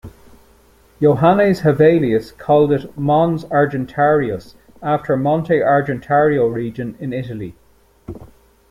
Johannes Hevelius called it "Mons Argentarius" after Monte Argentario region in Italy.